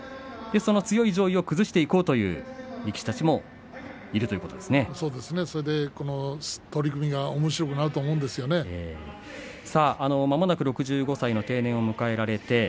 その上位を崩していこうという力士たちもいるそれで取組がまもなく６５歳の定年を迎えられます。